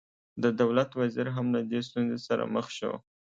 د دولت وزیر هم له دې ستونزې سره مخ شو.